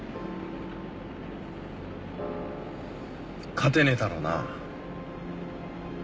勝てねえだろうな。